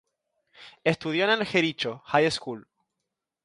Estudió en el Jericho High School.